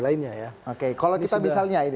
lainnya ya oke kalau kita misalnya ini